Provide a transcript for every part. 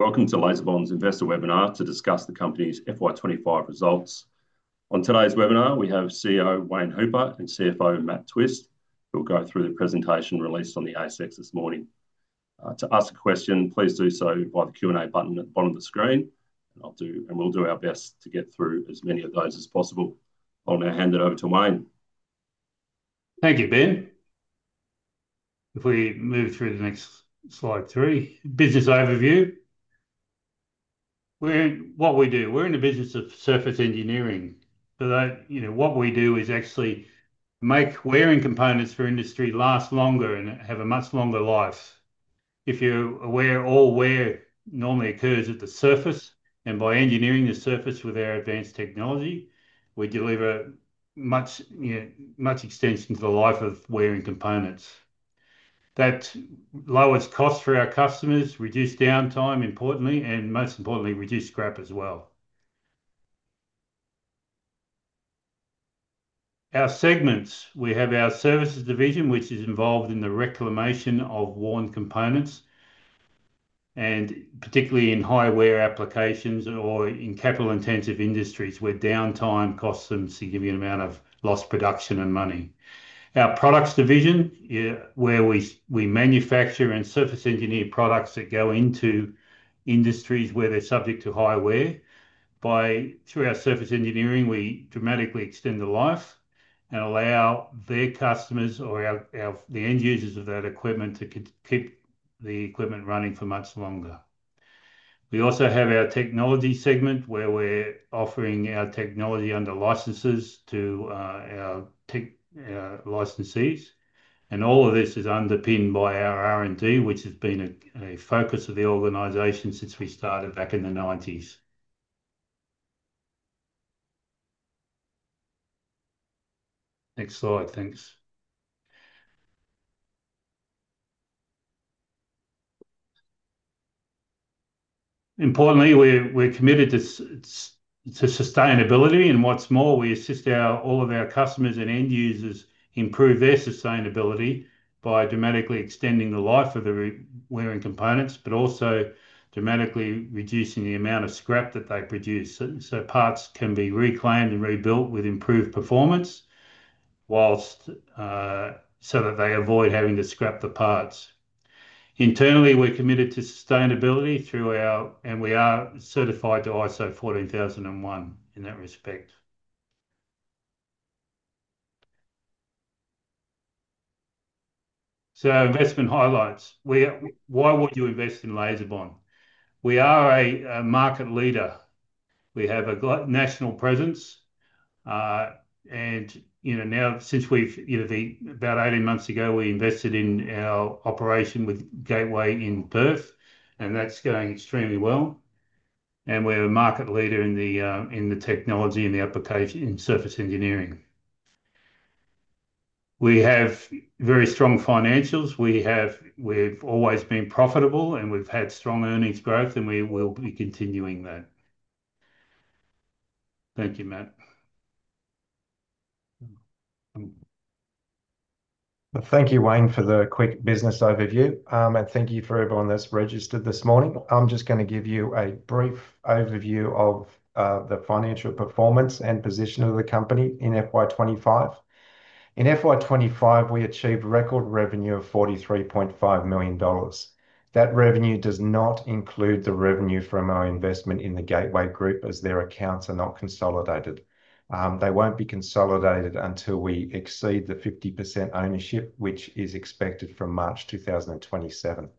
Welcome to LaserBond's investor webinar to discuss the company's FY25 results. On today's webinar, we have CEO Wayne Hooper and CFO Matt Twist, who will go through the presentation released on the ASX this morning. To ask a question, please do so via the Q&A button at the bottom of the screen, and we'll do our best to get through as many of those as possible. I'll now hand it over to Wayne. Thank you, Ben. If we move through to the next slide 3, business overview. What we do, we're in the business of surface engineering. What we do is actually make wearing components for industry last longer and have a much longer life. If you're aware, all wear normally occurs at the surface, and by engineering the surface with our advanced technology, we deliver much extension to the life of wearing components. That lowers costs for our customers, reduces downtime importantly, and most importantly, reduces scrap as well. Our segments, we have our services division, which is involved in the reclamation of worn components, and particularly in high-wear applications or in capital-intensive industries where downtime costs a significant amount of lost production and money. Our products division, where we manufacture and surface engineer products that go into industries where they're subject to high wear. Through our surface engineering, we dramatically extend the life and allow the customers or the end users of that equipment to keep the equipment running for much longer. We also have our technology segment where we're offering our technology under licenses to our licensees, and all of this is underpinned by our R&D, which has been a focus of the organization since we started back in the 1990s. Next slide, thanks. Importantly, we're committed to sustainability, and what's more, we assist all of our customers and end users improve their sustainability by dramatically extending the life of the wearing components, but also dramatically reducing the amount of scrap that they produce. So parts can be reclaimed and rebuilt with improved performance so that they avoid having to scrap the parts. Internally, we're committed to sustainability through our and we are certified to ISO 14001 in that respect. So investment highlights, why would you invest in LaserBond? We are a market leader. We have a national presence, and now since we've about 18 months ago, we invested in our operation with Gateway in Perth, and that's going extremely well. And we're a market leader in the technology and the application in surface engineering. We have very strong financials. We've always been profitable, and we've had strong earnings growth, and we will be continuing that. Thank you, Matt. Thank you, Wayne, for the quick business overview, and thank you for everyone that's registered this morning. I'm just going to give you a brief overview of the financial performance and position of the company in FY25. In FY25, we achieved record revenue of 43.5 million dollars. That revenue does not include the revenue from our investment in the Gateway Group as their accounts are not consolidated. They won't be consolidated until we exceed the 50% ownership, which is expected from March 2027.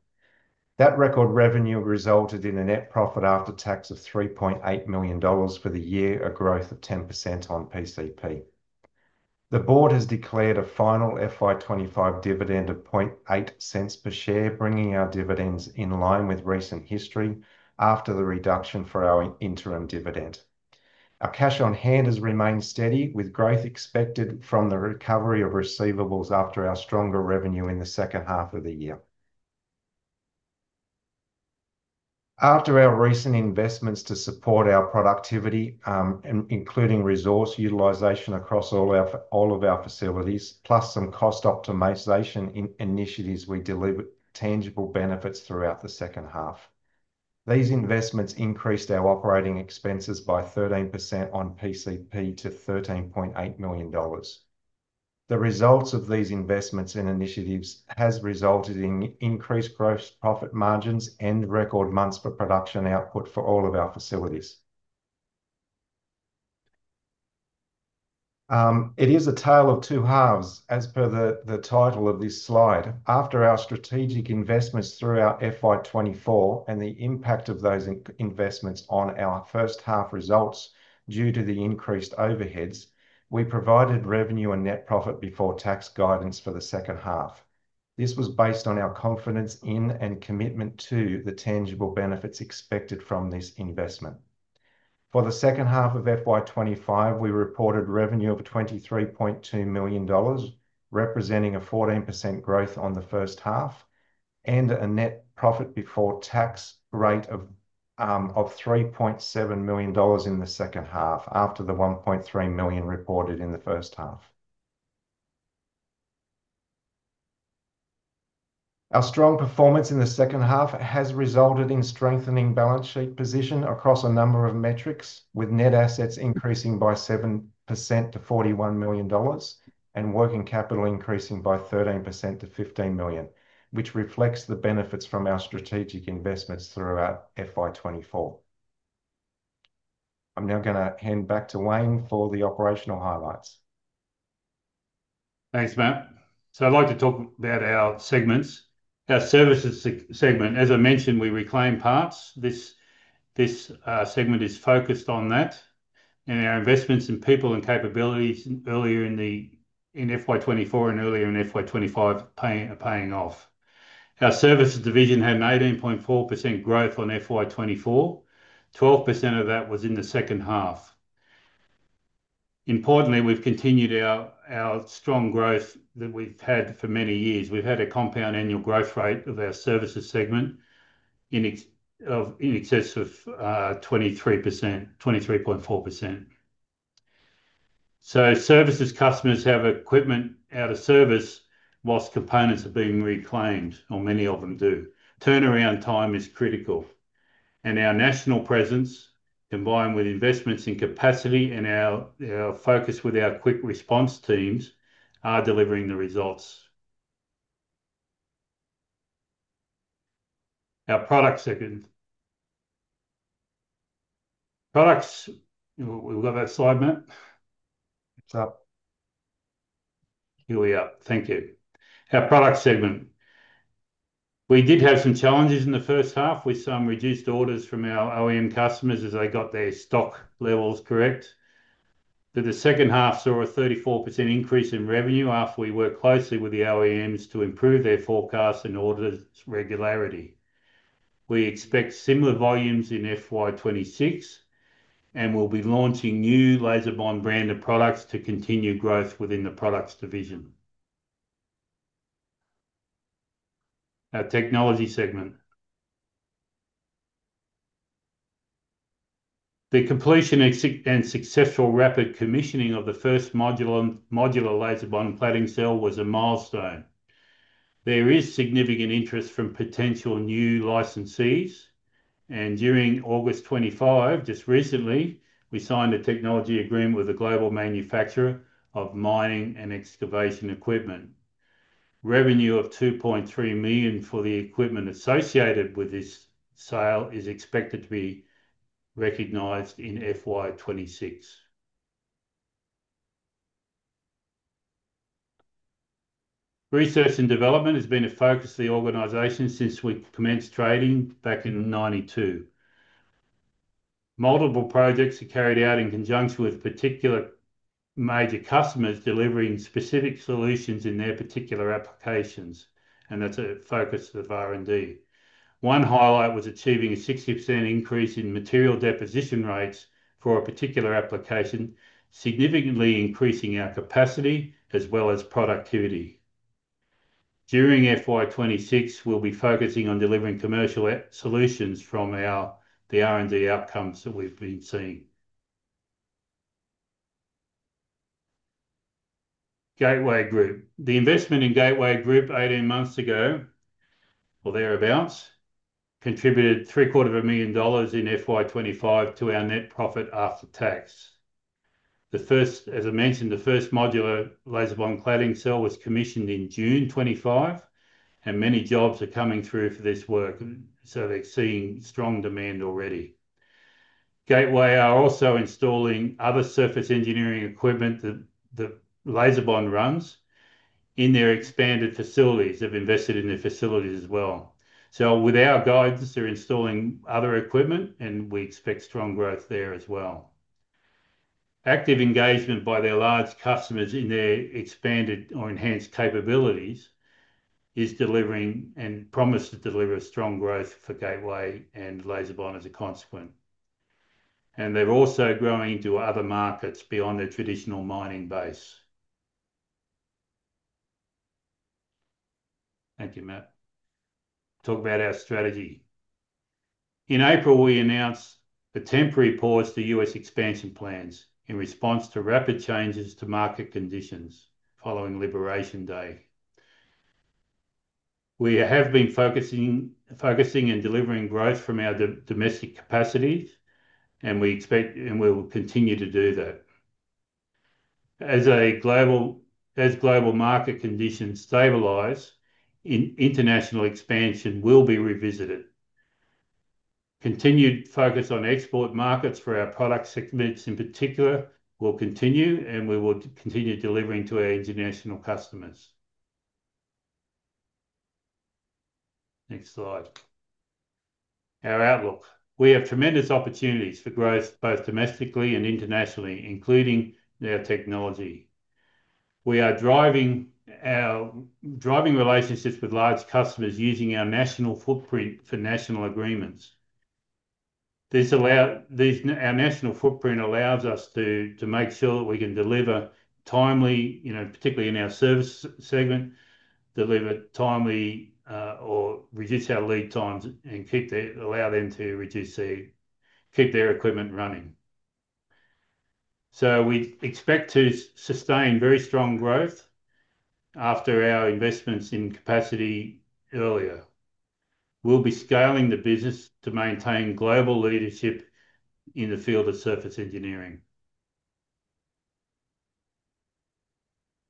That record revenue resulted in a net profit after tax of 3.8 million dollars for the year, a growth of 10% on PCP. The board has declared a final FY25 dividend of 0.008 per share, bringing our dividends in line with recent history after the reduction for our interim dividend. Our cash on hand has remained steady, with growth expected from the recovery of receivables after our stronger revenue in the second half of the year. After our recent investments to support our productivity, including resource utilization across all of our facilities, plus some cost optimization initiatives, we delivered tangible benefits throughout the second half. These investments increased our operating expenses by 13% on PCP to 13.8 million dollars. The results of these investments and initiatives have resulted in increased gross profit margins and record months for production output for all of our facilities. It is a tale of two halves, as per the title of this slide. After our strategic investments throughout FY24 and the impact of those investments on our first half results due to the increased overheads, we provided revenue and net profit before tax guidance for the second half. This was based on our confidence in and commitment to the tangible benefits expected from this investment. For the second half of FY25, we reported revenue of 23.2 million dollars, representing a 14% growth on the first half, and a net profit before tax of 3.7 million dollars in the second half after the 1.3 million reported in the first half. Our strong performance in the second half has resulted in strengthening balance sheet position across a number of metrics, with net assets increasing by 7% to 41 million dollars and working capital increasing by 13% to 15 million, which reflects the benefits from our strategic investments throughout FY24. I'm now going to hand back to Wayne for the operational highlights. Thanks, Matt. So I'd like to talk about our segments. Our services segment, as I mentioned, we reclaim parts. This segment is focused on that, and our investments in people and capabilities earlier in FY24 and earlier in FY25 are paying off. Our services division had an 18.4% growth on FY24. 12% of that was in the second half. Importantly, we've continued our strong growth that we've had for many years. We've had a compound annual growth rate of our services segment in excess of 23.4%. So services customers have equipment out of service whilst components are being reclaimed, or many of them do. Turnaround time is critical, and our national presence, combined with investments in capacity and our focus with our quick response teams, are delivering the results. Our product segment. Products, we've got that slide, Matt. It's up. Here we are. Thank you. Our product segment. We did have some challenges in the first half with some reduced orders from our OEM customers as they got their stock levels correct. But the second half saw a 34% increase in revenue after we worked closely with the OEMs to improve their forecasts and order regularity. We expect similar volumes in FY26, and we'll be launching new LaserBond branded products to continue growth within the products division. Our technology segment. The completion and successful rapid commissioning of the first modular LaserBond cladding cell was a milestone. There is significant interest from potential new licensees, and during August 25, just recently, we signed a technology agreement with a global manufacturer of mining and excavation equipment. Revenue of 2.3 million for the equipment associated with this sale is expected to be recognized in FY26. Research and development has been a focus of the organization since we commenced trading back in 1992. Multiple projects are carried out in conjunction with particular major customers delivering specific solutions in their particular applications, and that's a focus of R&D. One highlight was achieving a 60% increase in material deposition rates for a particular application, significantly increasing our capacity as well as productivity. During FY26, we'll be focusing on delivering commercial solutions from the R&D outcomes that we've been seeing. Gateway Group. The investment in Gateway Group 18 months ago or thereabouts contributed 3.25 million dollars in FY25 to our net profit after tax. As I mentioned, the first modular LaserBond cladding cell was commissioned in June 2025, and many jobs are coming through for this work, so they're seeing strong demand already. Gateway are also installing other surface engineering equipment that LaserBond runs in their expanded facilities. They've invested in their facilities as well, so with our guidance, they're installing other equipment, and we expect strong growth there as well. Active engagement by their large customers in their expanded or enhanced capabilities is delivering and promised to deliver strong growth for Gateway and LaserBond as a consequence, and they're also growing into other markets beyond their traditional mining base. Thank you, Matt. Talk about our strategy. In April, we announced a temporary pause to U.S. expansion plans in response to rapid changes to market conditions following Liberation Day. We have been focusing and delivering growth from our domestic capacities, and we expect and we'll continue to do that. As global market conditions stabilize, international expansion will be revisited. Continued focus on export markets for our product segments in particular will continue, and we will continue delivering to our international customers. Next slide. Our outlook. We have tremendous opportunities for growth both domestically and internationally, including our technology. We are driving relationships with large customers using our national footprint for national agreements. Our national footprint allows us to make sure that we can deliver timely, particularly in our service segment, deliver timely or reduce our lead times and allow them to keep their equipment running. So we expect to sustain very strong growth after our investments in capacity earlier. We'll be scaling the business to maintain global leadership in the field of surface engineering.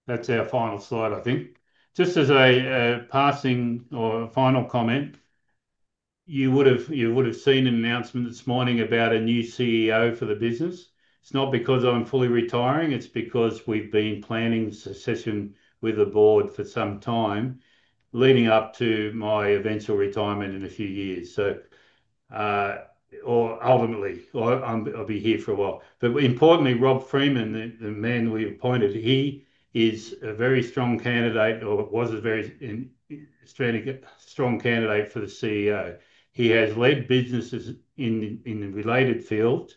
That's our final slide, I think. Just as a passing or final comment, you would have seen an announcement this morning about a new CEO for the business. It's not because I'm fully retiring. It's because we've been planning succession with the board for some time leading up to my eventual retirement in a few years, or ultimately, I'll be here for a while. But importantly, Rob Freeman, the man we appointed, he is a very strong candidate or was a very strong candidate for the CEO. He has led businesses in the related field.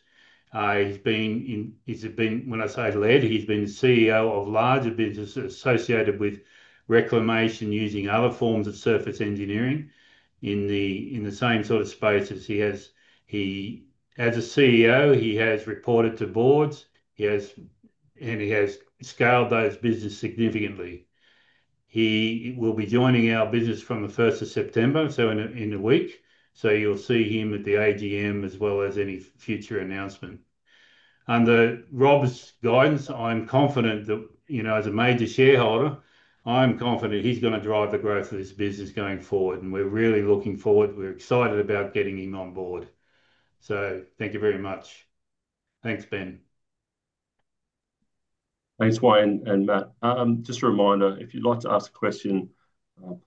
He's been in, when I say led, he's been CEO of larger businesses associated with reclamation using other forms of surface engineering in the same sort of space as he has. As a CEO, he has reported to boards, and he has scaled those businesses significantly. He will be joining our business from the 1st of September, so in a week. So you'll see him at the AGM as well as any future announcement. Under Rob's guidance, I'm confident that as a major shareholder, I'm confident he's going to drive the growth of this business going forward, and we're really looking forward. We're excited about getting him on board. So thank you very much. Thanks, Ben. Thanks, Wayne and Matt. Just a reminder, if you'd like to ask a question,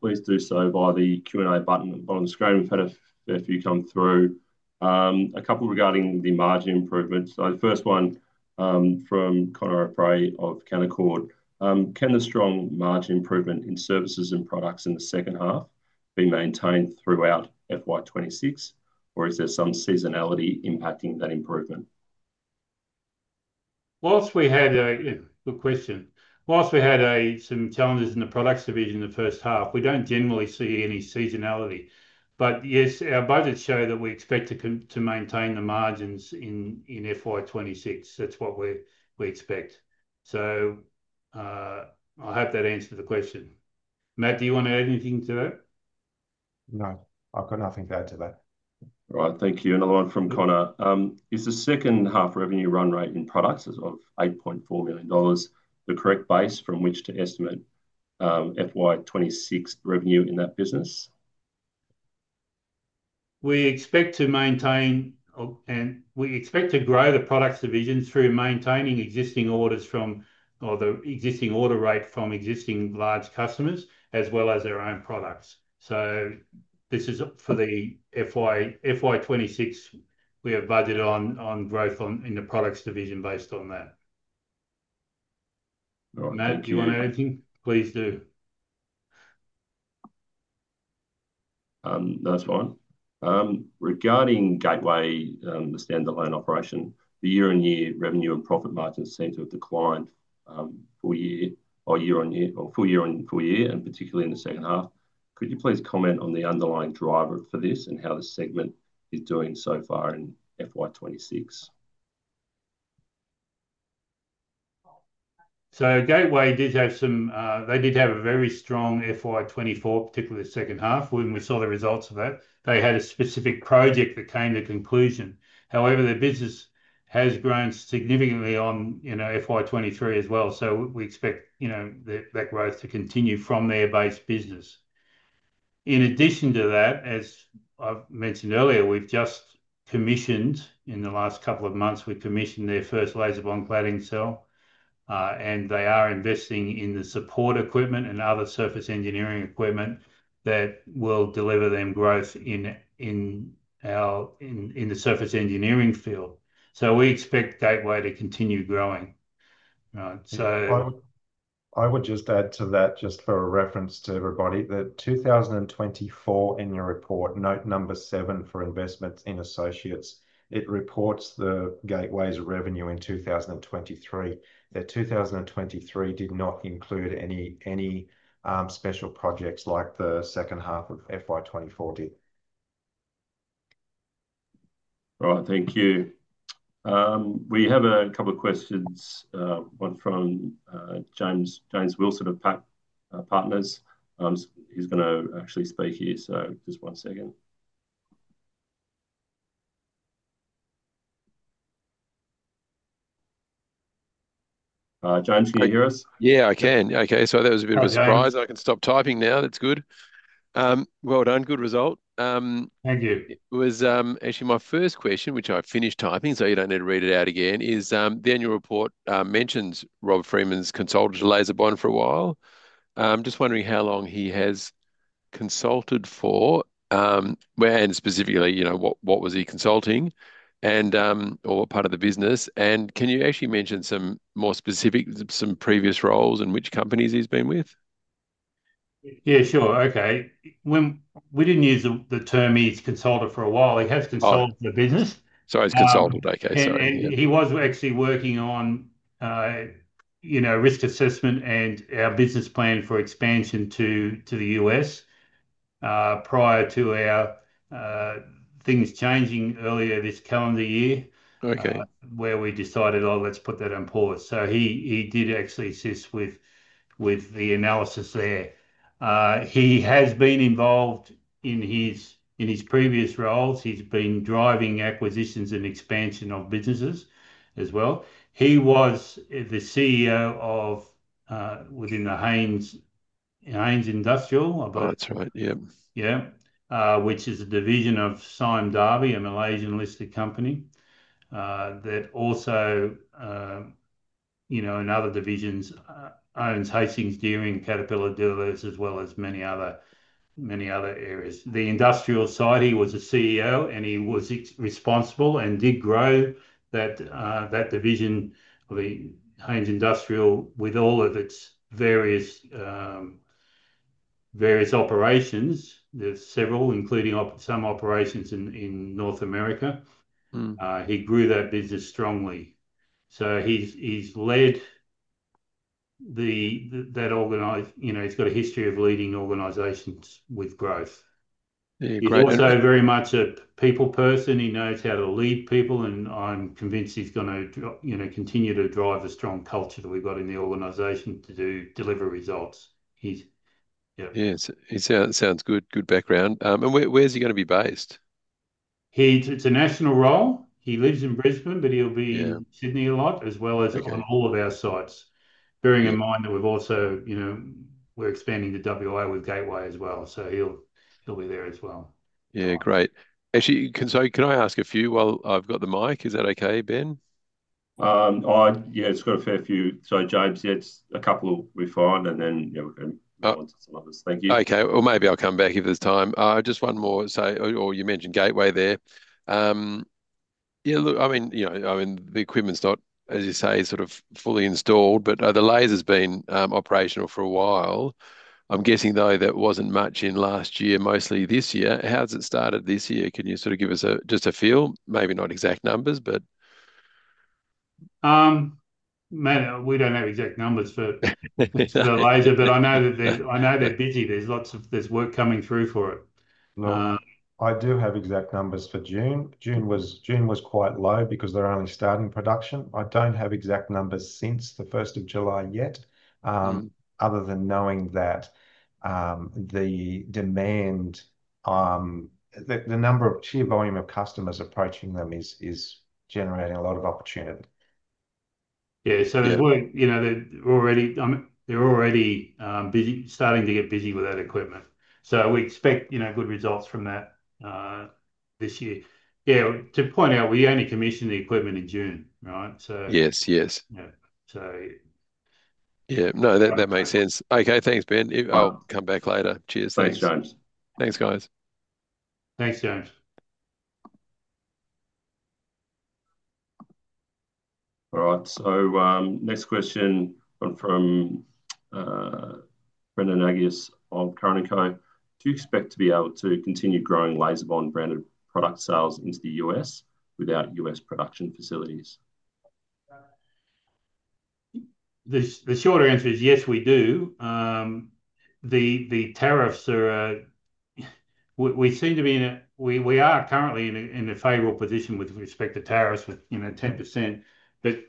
please do so via the Q&A button on the screen. We've had a fair few come through. A couple regarding the margin improvement. So the first one from Conor O'Prey of Canaccord. Can the strong margin improvement in services and products in the second half be maintained throughout FY26, or is there some seasonality impacting that improvement? While we had a good question. While we had some challenges in the products division in the first half, we don't generally see any seasonality. But yes, our budgets show that we expect to maintain the margins in FY26. That's what we expect. So I hope that answered the question. Matt, do you want to add anything to that? No. I've got nothing to add to that. All right. Thank you. Another one from Conor. Is the second half revenue run rate in products of 8.4 million dollars the correct base from which to estimate FY26 revenue in that business? We expect to maintain, and we expect to grow the products division through maintaining existing orders from our, the existing order rate from existing large customers as well as their own products. So this is for the FY26. We have budgeted on growth in the products division based on that. All right. Matt, do you want to add anything? Please do. That's fine. Regarding Gateway, the standalone operation, the year-on-year revenue and profit margins seem to have declined full year or year-on-year or full year-on-full year, and particularly in the second half. Could you please comment on the underlying driver for this and how the segment is doing so far in FY26? So Gateway did have a very strong FY24, particularly the second half when we saw the results of that. They had a specific project that came to conclusion. However, the business has grown significantly on FY23 as well. So we expect that growth to continue from their base business. In addition to that, as I've mentioned earlier, we've just commissioned in the last couple of months their first LaserBond cladding cell, and they are investing in the support equipment and other surface engineering equipment that will deliver them growth in the surface engineering field. So we expect Gateway to continue growing. I would just add to that, just for a reference to everybody, that 2024 in your report, note number seven for investments in associates, it reports the Gateway's revenue in 2023. Their 2023 did not include any special projects like the second half of FY24 did. All right. Thank you. We have a couple of questions. One from James Wilson of Wilsons Advisory. He's going to actually speak here. So just one second. James, can you hear us? Yeah, I can. Okay. So that was a bit of a surprise. I can stop typing now. That's good. Well done. Good result. Thank you. It was actually my first question, which I finished typing, so you don't need to read it out again. Is the annual report mentions Rob Freeman's consulted to LaserBond for a while? I'm just wondering how long he has consulted for and specifically what was he consulting or what part of the business. And can you actually mention some more specific, some previous roles and which companies he's been with? Yeah, sure. Okay. We didn't use the term he's consulted for a while. He has consulted the business. Sorry, he's consulted. Okay. Sorry. He was actually working on risk assessment and our business plan for expansion to the U.S. prior to our things changing earlier this calendar year where we decided, "Oh, let's put that on pause." So he did actually assist with the analysis there. He has been involved in his previous roles. He's been driving acquisitions and expansion of businesses as well. He was the CEO within the Haynes Industrial. That's right. Yeah. Yeah, which is a division of Sime Darby, a Malaysian listed company that also in other divisions owns Hastings Deering, Caterpillar Dealers as well as many other areas. The Industrial side, he was a CEO, and he was responsible and did grow that division of the Haynes Industrial with all of its various operations. There's several, including some operations in North America. He grew that business strongly. So he's led that organization. He's got a history of leading organizations with growth. He's also very much a people person. He knows how to lead people, and I'm convinced he's going to continue to drive the strong culture that we've got in the organization to deliver results. Yeah. Sounds good. Good background, and where's he going to be based? It's a national role. He lives in Brisbane, but he'll be in Sydney a lot as well as on all of our sites, bearing in mind that we're expanding the WA with Gateway as well. So he'll be there as well. Yeah. Great. Actually, can I ask a few while I've got the mic? Is that okay, Ben? Yeah. It's got a fair few. So James, yeah, a couple will be fine, and then we can answer some others. Thank you. Okay. Well, maybe I'll come back if there's time. Just one more. So you mentioned Gateway there. Yeah. Look, I mean, the equipment's not, as you say, sort of fully installed, but the laser's been operational for a while. I'm guessing, though, that wasn't much in last year, mostly this year. How's it started this year? Can you sort of give us just a feel? Maybe not exact numbers, but. Matt, we don't have exact numbers for the laser, but I know they're busy. There's work coming through for it. I do have exact numbers for June. June was quite low because they're only starting production. I don't have exact numbers since the 1st of July yet, other than knowing that the demand, the number of sheer volume of customers approaching them is generating a lot of opportunity. Yeah. So they're already starting to get busy with that equipment. So we expect good results from that this year. Yeah. To point out, we only commissioned the equipment in June, right? Yes. Yes. Yeah. No. That makes sense. Okay. Thanks, Ben. I'll come back later. Cheers. Thanks. Thanks, James. Thanks, guys. Thanks, James. All right. So next question from Brendan Agius of Curran & Co. Do you expect to be able to continue growing LaserBond-branded product sales into the US without US production facilities? The short answer is yes, we do. The tariffs are. We are currently in a favorable position with respect to tariffs with 10%, but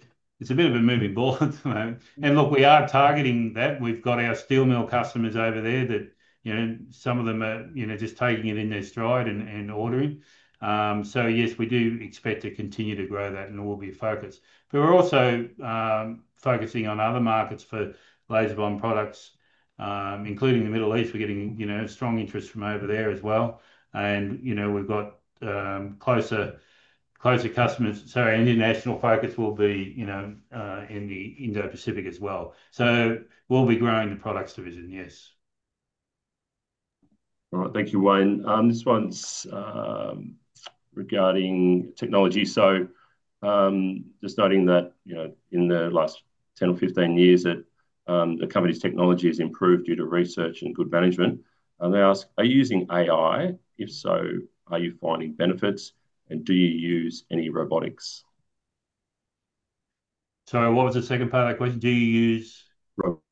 it's a bit of a moving ball at the moment. Look, we are targeting that. We've got our steel mill customers over there that some of them are just taking it in their stride and ordering. Yes, we do expect to continue to grow that and we'll be focused. We're also focusing on other markets for LaserBond products, including the Middle East. We're getting strong interest from over there as well. We've got closer customers. Our international focus will be in the Indo-Pacific as well. We'll be growing the products division, yes. All right. Thank you, Wayne. This one's regarding technology. So just noting that in the last 10 or 15 years that the company's technology has improved due to research and good management. They ask, "Are you using AI? If so, are you finding benefits? And do you use any robotics? Sorry, what was the second part of that question? Do you use robotics?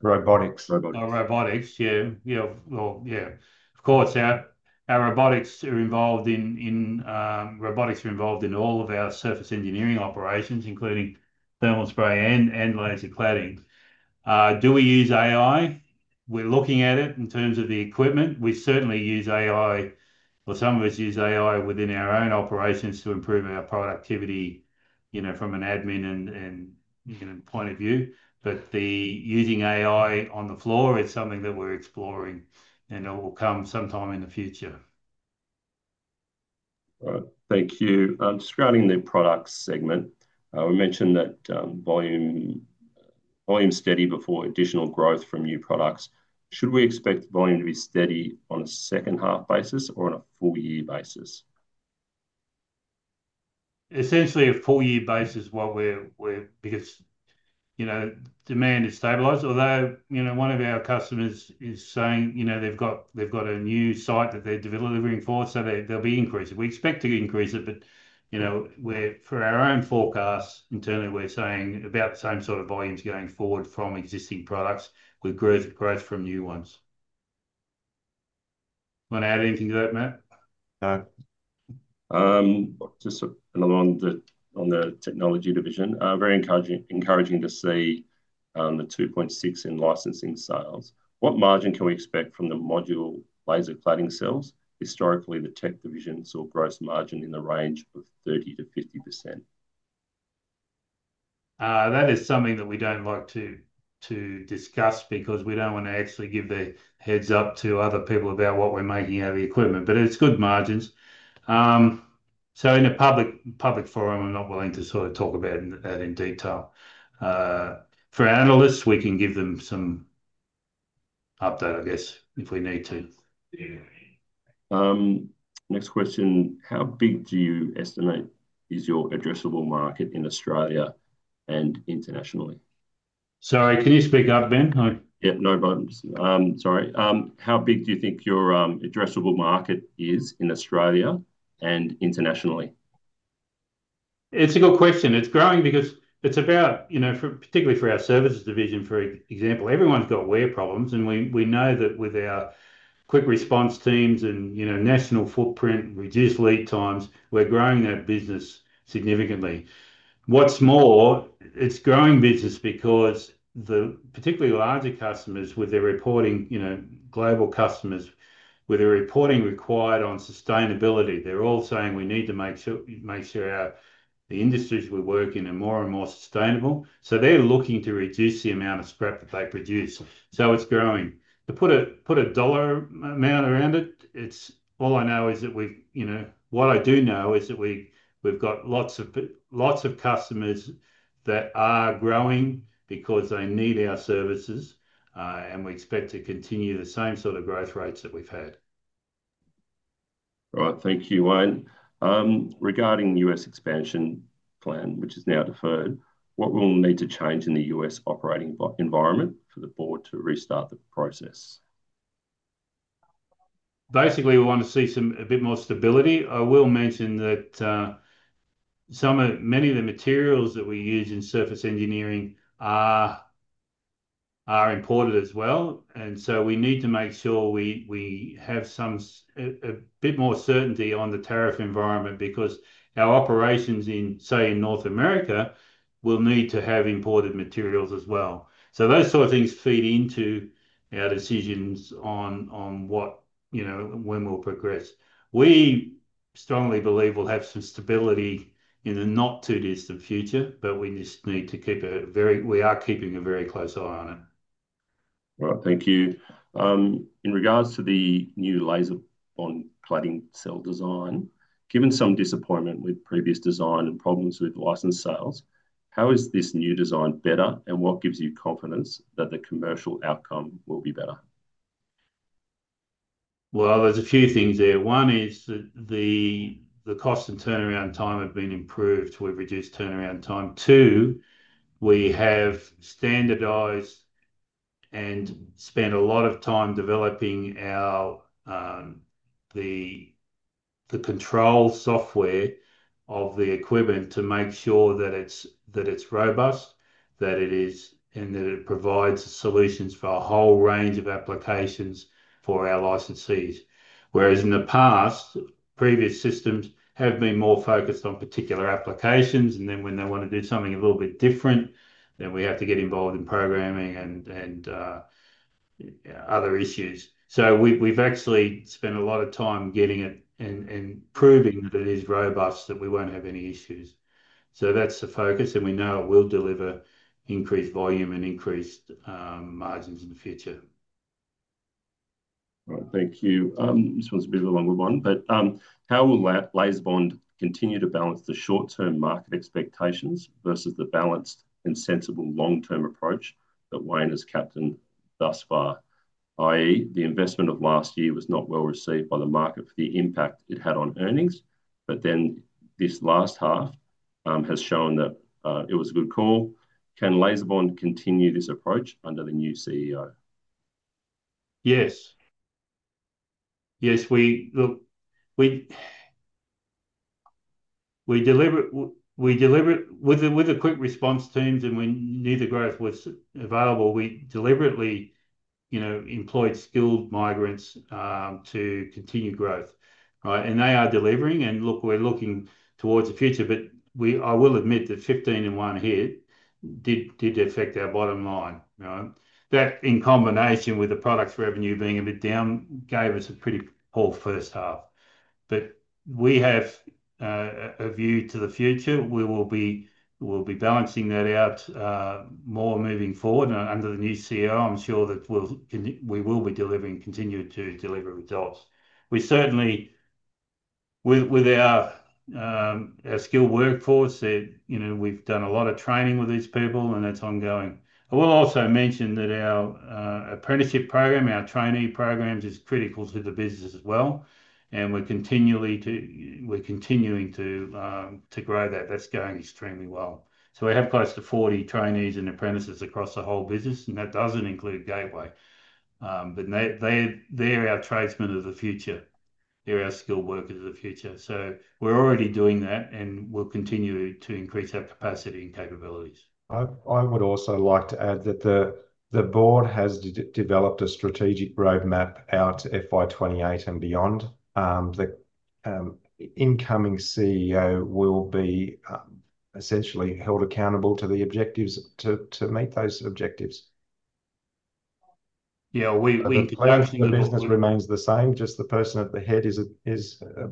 Robotics. Robotics. Yeah. Yeah. Well, yeah. Of course, our robotics are involved in all of our surface engineering operations, including thermal spray and laser cladding. Do we use AI? We're looking at it in terms of the equipment. We certainly use AI, or some of us use AI within our own operations to improve our productivity from an admin point of view. But using AI on the floor is something that we're exploring, and it will come sometime in the future. All right. Thank you. Describing the product segment, we mentioned that volume steady before additional growth from new products. Should we expect volume to be steady on a second-half basis or on a full-year basis? Essentially, a full-year basis because demand has stabilized. Although one of our customers is saying they've got a new site that they're delivering for, so there'll be increase. We expect to increase it, but for our own forecasts, internally, we're saying about the same sort of volumes going forward from existing products with growth from new ones. Want to add anything to that, Matt? No. Just another one on the technology division. Very encouraging to say the 2.6 in licensing sales. What margin can we expect from the modular laser cladding cells? Historically, the tech division saw gross margin in the range of 30%-50%. That is something that we don't like to discuss because we don't want to actually give the heads up to other people about what we're making out of the equipment, but it's good margins, so in a public forum, we're not willing to sort of talk about that in detail. For analysts, we can give them some update, I guess, if we need to. Next question. How big do you estimate is your addressable market in Australia and internationally? Sorry, can you speak up, Ben? Yeah. No problem. Sorry. How big do you think your addressable market is in Australia and internationally? It's a good question. It's growing because it's about, particularly for our services division, for example, everyone's got wear problems. And we know that with our quick response teams and national footprint, reduced lead times, we're growing that business significantly. What's more, it's growing business because the particularly larger customers with their reporting, global customers with their reporting required on sustainability, they're all saying we need to make sure the industries we work in are more and more sustainable. So they're looking to reduce the amount of scrap that they produce. So it's growing. To put a dollar amount around it, all I know is that we've got lots of customers that are growing because they need our services, and we expect to continue the same sort of growth rates that we've had. All right. Thank you, Wayne. Regarding the U.S. expansion plan, which is now deferred, what will need to change in the U.S. operating environment for the board to restart the process? Basically, we want to see a bit more stability. I will mention that many of the materials that we use in surface engineering are imported as well. And so we need to make sure we have a bit more certainty on the tariff environment because our operations in, say, in North America will need to have imported materials as well. So those sort of things feed into our decisions on when we'll progress. We strongly believe we'll have some stability in the not-too-distant future, but we just need to keep a very close eye on it. All right. Thank you. In regards to the new LaserBond cladding cell design, given some disappointment with previous design and problems with licensed sales, how is this new design better, and what gives you confidence that the commercial outcome will be better? There's a few things there. One is that the cost and turnaround time have been improved. We've reduced turnaround time. Two, we have standardized and spent a lot of time developing the control software of the equipment to make sure that it's robust, that it is, and that it provides solutions for a whole range of applications for our licensees. Whereas in the past, previous systems have been more focused on particular applications, and then when they want to do something a little bit different, then we have to get involved in programming and other issues. So we've actually spent a lot of time getting it and proving that it is robust, that we won't have any issues. So that's the focus, and we know it will deliver increased volume and increased margins in the future. All right. Thank you. This one's a bit of a longer one, but how will LaserBond continue to balance the short-term market expectations versus the balanced and sensible long-term approach that Wayne has captained thus far, i.e., the investment of last year was not well received by the market for the impact it had on earnings, but then this last half has shown that it was a good call. Can LaserBond continue this approach under the new CEO? Yes. Yes. Look, we delivered with the quick response teams and we knew the growth was available, we deliberately employed skilled migrants to continue growth, right? And they are delivering. And look, we're looking towards the future, but I will admit that 15% and 1H it did affect our bottom line. That in combination with the product's revenue being a bit down gave us a pretty poor first half. But we have a view to the future. We will be balancing that out more moving forward. Under the new CEO, I'm sure that we will be delivering and continue to deliver results. With our skilled workforce, we've done a lot of training with these people, and that's ongoing. I will also mention that our apprenticeship program, our trainee programs, is critical to the business as well. And we're continuing to grow that. That's going extremely well. So we have close to 40 trainees and apprentices across the whole business, and that doesn't include Gateway. But they're our tradesmen of the future. They're our skilled workers of the future. So we're already doing that, and we'll continue to increase our capacity and capabilities. I would also like to add that the board has developed a strategic roadmap out to FY28 and beyond. The incoming CEO will be essentially held accountable to the objectives to meet those objectives. Yeah. And the plan for the business remains the same. Just the person at the head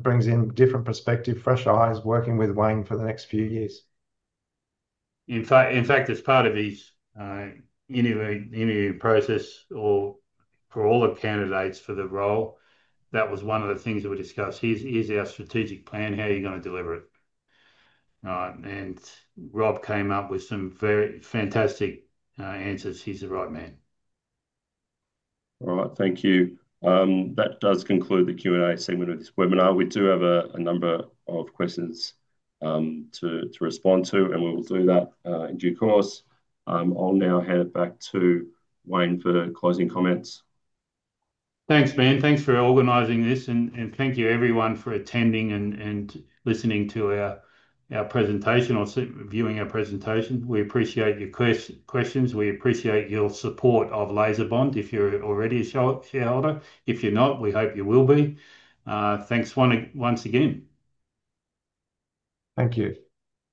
brings in different perspective, fresh eyes working with Wayne for the next few years. In fact, as part of his interview process for all the candidates for the role, that was one of the things that we discussed. Here's our strategic plan. How are you going to deliver it? And Rob came up with some very fantastic answers. He's the right man. All right. Thank you. That does conclude the Q&A segment of this webinar. We do have a number of questions to respond to, and we will do that in due course. I'll now hand it back to Wayne for closing comments. Thanks, Ben. Thanks for organizing this, and thank you, everyone, for attending and listening to our presentation or viewing our presentation. We appreciate your questions. We appreciate your support of LaserBond if you're already a shareholder. If you're not, we hope you will be. Thanks once again. Thank you.